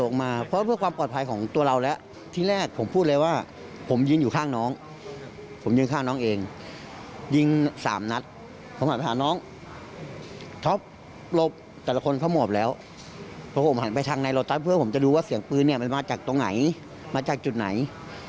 กูผ่านไปทางไ้ลอทัลเพื่อดูเสียงปืนก็มาจากตรงไหนมาจากจุดไหน